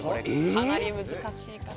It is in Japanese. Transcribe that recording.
かなり難しいかな？